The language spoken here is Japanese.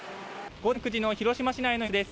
午前９時の広島市内の様子です。